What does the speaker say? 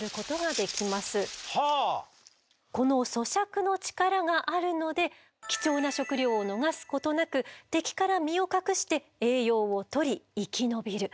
この咀嚼の力があるので貴重な食料を逃すことなく敵から身を隠して栄養をとり生き延びる。